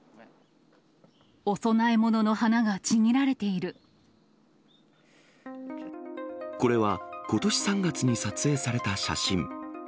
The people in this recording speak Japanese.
お供え物の花がちぎられていこれは、ことし３月に撮影された写真。